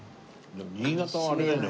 新潟はあれだよね